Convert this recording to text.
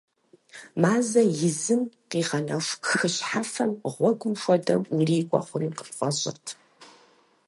Мазэ изым къигъэнэху хы щхьэфэм гъуэгум хуэдэу урикӏуэ хъуну къыпфӏэщӏырт.